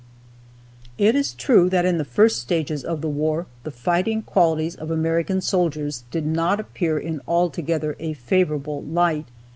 It is true that in the first stages of the war the fighting qualities of American soldiers did not appear in altogether a favorable light.